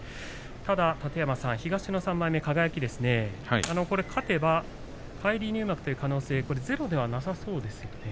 ただ東の３枚目、輝勝てば返り入幕という可能性はゼロではなさそうですよね。